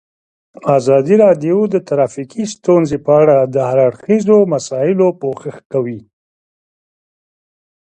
ازادي راډیو د ټرافیکي ستونزې په اړه د هر اړخیزو مسایلو پوښښ کړی.